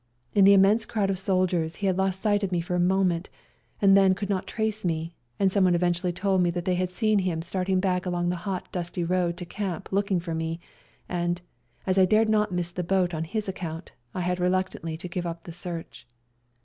In the immense crowd of soldiers he had lost sight of me for a moment, and then could not trace me, and someone eventually told me that they had seen him starting back along the hot, dusty road to camp looking for me, and, as I dared not miss the boat on his account, I had reluctantly to give up the search.